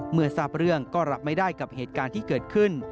เมื่อทราบเรื่องก็รับไม่ได้กับเหตุการณ์ที่เกิดขึ้น